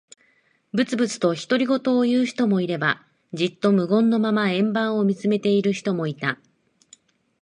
ぶつぶつと独り言を言う人もいれば、じっと無言のまま円盤を見つめている人もいた。